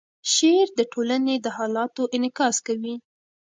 شعر د ټولنې د حالاتو انعکاس کوي.